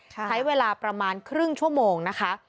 ใช้เวลาประมาณครึ่งชั่วโมงนะคะ